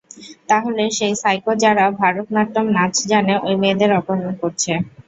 তাহলে, সেই সাইকো যারা ভারতনাট্যম নাচ জানে ওই মেয়েদের অপহরণ করছে?